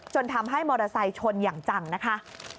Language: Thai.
ทำให้มอเตอร์ไซค์ชนอย่างจังนะคะ